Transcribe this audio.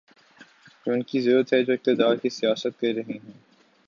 یہ ان کی ضرورت ہے جو اقتدار کی سیاست کر رہے ہیں۔